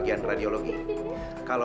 jika saja nggak ada